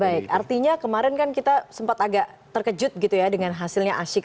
baik artinya kemarin kan kita sempat agak terkejut gitu ya dengan hasilnya asyik